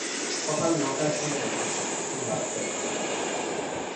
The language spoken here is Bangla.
সকাল নটার সময় এসেছে, এখন বাজছে একটা।